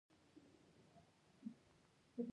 مزارشریف د افغان نجونو د پرمختګ لپاره ښه فرصتونه برابروي.